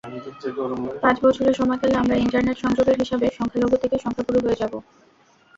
পাঁচ বছরের সময়কালে আমরা ইন্টারনেট সংযোগের হিসাবে সংখ্যালঘু থেকে সংখ্যাগুরু হয়ে যাব।